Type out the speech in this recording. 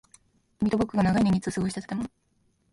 君と僕が長い年月を過ごした建物。